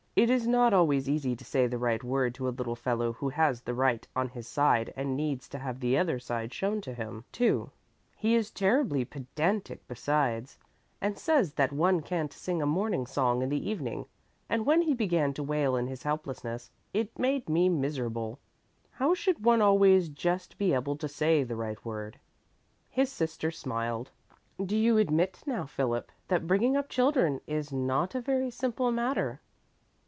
"It is not always easy to say the right word to a little fellow who has the right on his side and needs to have the other side shown to him, too; he is terribly pedantic besides, and says that one can't sing a morning song in the evening, and when he began to wail in his helplessness, it made me miserable. How should one always just be able to say the right word?" His sister smiled. "Do you admit now, Philip, that bringing up children is not a very simple matter?"